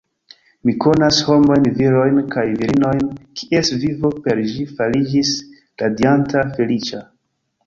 Mi konas homojn, virojn kaj virinojn, kies vivo per ĝi fariĝis radianta, feliĉa.